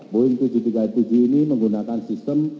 boeing tujuh ratus tiga puluh tujuh ini menggunakan sistem